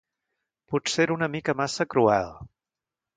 Potser era una mica massa cruel.